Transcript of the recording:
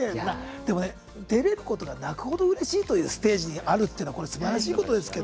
でも、出れることが泣くほどうれしいステージがあるというのはすばらしいことです。